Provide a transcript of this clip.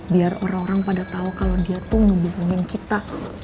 biar orang orang pada tau kalau dia tuh ngebohongin kita